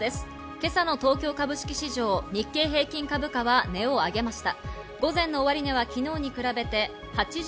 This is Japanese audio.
今朝の東京株式市場で日経平均株価は値を上げました。